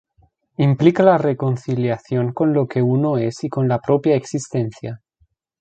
Implica la reconciliación con lo que uno es y con la propia existencia.